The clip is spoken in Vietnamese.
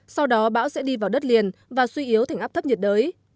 sau đó bão sẽ đi vào đất liền và suy yếu thành áp thấp nhiệt đới